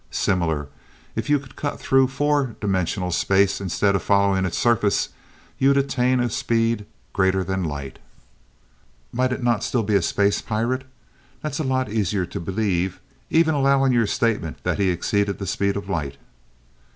Similar, if you could cut through the four dimensional space instead of following its surface, you'd attain a speed greater than light." "Might it not still be a space pirate? That's a lot easier to believe, even allowing your statement that he exceeded the speed of light."